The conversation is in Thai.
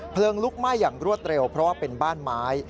ลุกไหม้อย่างรวดเร็วเพราะว่าเป็นบ้านไม้